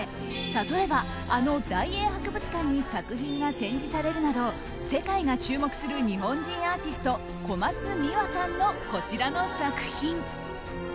例えば、あの大英博物館に作品が展示されるなど世界が注目する日本人アーティスト小松美羽さんのこちらの作品。